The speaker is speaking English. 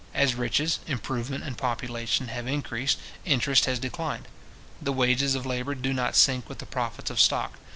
As riches, improvement, and population, have increased, interest has declined. The wages of labour do not sink with the profits of stock.